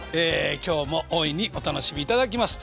今日も大いにお楽しみいただきます。